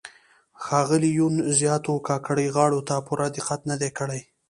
ښاغلي یون زیاتو کاکړۍ غاړو ته پوره دقت نه دی کړی.